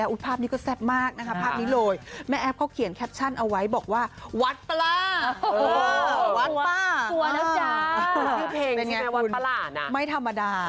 เอามาดูกันเลยเด็กครับ